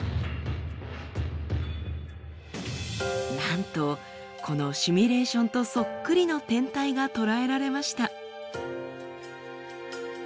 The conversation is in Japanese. なんとこのシミュレーションとそっくりの天体が捉えられました。